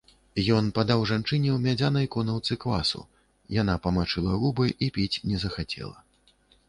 Ён падаў жанчыне ў мядзянай конаўцы квасу, яна памачыла губы і піць не захацела.